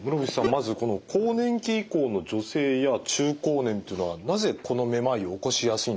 まず更年期以降の女性や中高年っていうのはなぜこのめまいを起こしやすいんでしょうか？